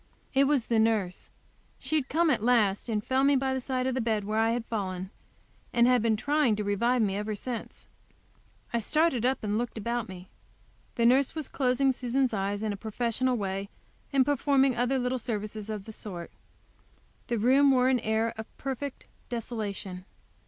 It was the nurse. She had come at last, and found me by the side of the bed, where I had fallen, and had been trying to revive me ever since. I started up and looked about me. The nurse was closing Susan's eyes in a professional way, and performing other little services of the sort. The room wore an air of perfect desolation.